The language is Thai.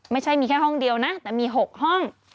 ไม่ใช่มีแค่ห้องเดียวนะแต่มี๖ห้อง